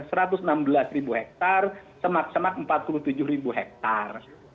semak semak empat puluh tujuh hektare